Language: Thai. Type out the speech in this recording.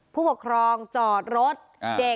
ผู้ปกครองจอดรถเด็ก